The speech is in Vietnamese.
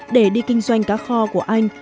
để đi kinh doanh cá kho của anh